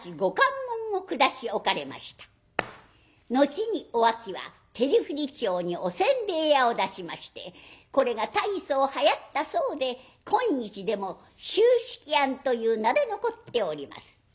後にお秋は照降町におせんべい屋を出しましてこれが大層はやったそうで今日でも「秋色庵」という名で残っております。